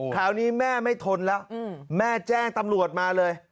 คราวนี้แม่ไม่ทนแล้วแม่แจ้งตำรวจมาเลย